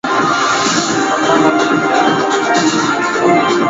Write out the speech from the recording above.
waweza kutupata vilivyo kabisa